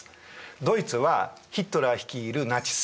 ドイツはヒトラー率いるナチス